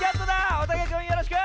おたけくんよろしく！